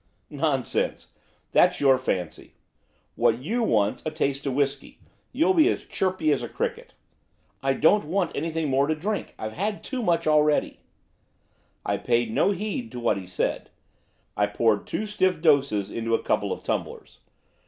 'Nonsense, that's your fancy! What you want's a taste of whisky you'll be as chirpy as a cricket.' 'I don't want anything more to drink! I've had too much already!' I paid no heed to what he said. I poured two stiff doses into a couple of tumblers.